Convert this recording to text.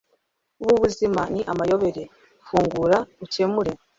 ubu buzima ni amayobera .. fungura, ukemure